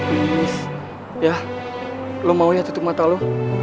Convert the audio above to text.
please ya lo mau ya tutup mata lo